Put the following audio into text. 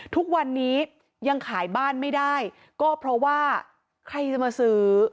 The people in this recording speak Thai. ทุกวันนี้ยังขายบ้านไม่ได้ก็เพราะว่าใครจะมาซื้อ